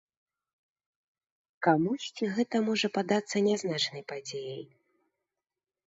Камусьці гэта можа падацца нязначнай падзеяй.